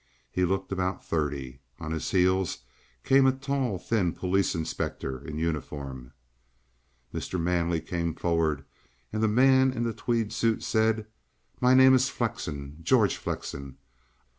He looked about thirty. On his heels came a tall, thin police inspector in uniform. Mr. Manley came forward, and the man in the tweed suit said: "My name is Flexen, George Flexen.